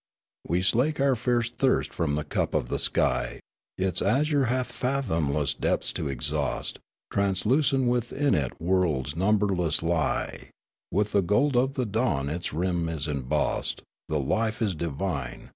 We slake our fierce thirst from the cup of the sky ; Its azure hath fathomless depths to exhaust ; Translucent within it worlds numberless lie ; With the gold of the dawn its rim is embossed. The life is divine.